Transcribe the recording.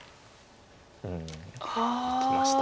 うんいきました。